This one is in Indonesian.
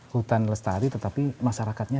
hutan lestari tetapi masyarakatnya